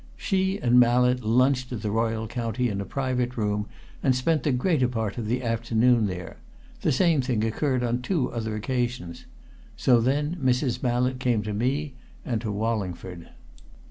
She and Mallett lunched at the Royal County in a private room and spent the greater part of the afternoon there; the same thing occurred on two other occasions. So then Mrs. Mallett came to me and to Wallingford."